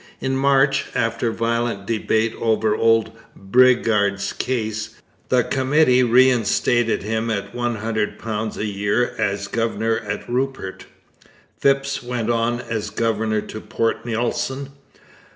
In March, after violent debate over old Bridgar's case, the Committee reinstated him at £100 a year as governor at Rupert. Phipps went as governor to Port Nelson.